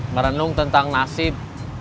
merenung tentang nasib